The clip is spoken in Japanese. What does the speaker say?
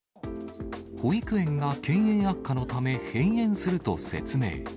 保育園が経営悪化のため閉園すると説明。